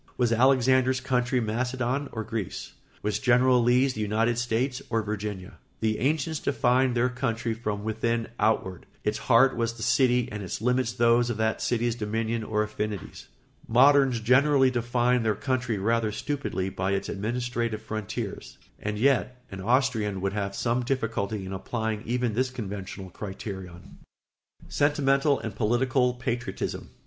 Was Alexander's country Macedon or Greece? Was General Lee's the United States or Virginia? The ancients defined their country from within outward; its heart was the city and its limits those of that city's dominion or affinities. Moderns generally define their country rather stupidly by its administrative frontiers; and yet an Austrian would have some difficulty in applying even this conventional criterion. [Sidenote: Sentimental and political patriotism.